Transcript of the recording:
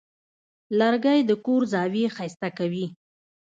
لرګی د کور زاویې ښایسته کوي.